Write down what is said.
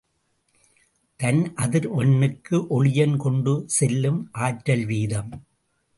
தன் அதிர் வெண்ணுக்கு ஒளியன் கொண்டு செல்லும் ஆற்றல் வீதம்.